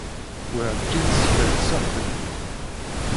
Werǧin skerkseɣ fell-ak.